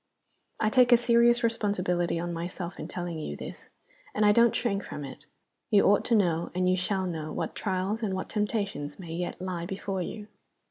I take a serious responsibility on myself in telling you this and I don't shrink from it. You ought to know, and you shall know, what trials and what temptations may yet lie before you."